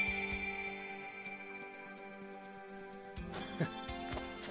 フッ。